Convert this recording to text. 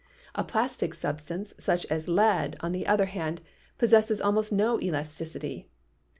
A plastic substance such as lead, on the other hand, pos sesses almost no elasticity.